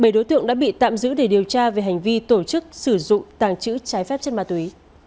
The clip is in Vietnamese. bảy đối tượng đã bị tạm giữ để điều tra về hành vi tổ chức sử dụng tàng chữ trái phép chất ma túy